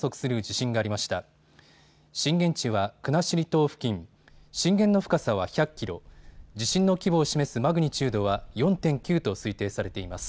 震源地は国後島付近、震源の深さは１００キロ、地震の規模を示すマグニチュードは４．９と推定されています。